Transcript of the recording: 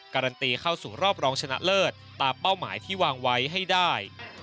การันตีเข้าสู่รอบรองชนะเลิศตามเป้าหมายที่วางไว้ให้ได้